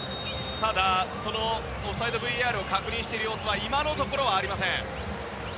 ただ、オフサイドＶＡＲを確認している様子は今のところありません。